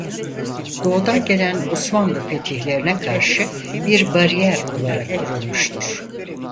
Doğu'dan gelen Osmanlı fetihlerine karşı bir bariyer olarak kurulmuştur.